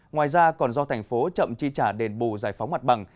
ngoài ra còn do thành phố chậm chi trả đền bù giải phóng mặt bằng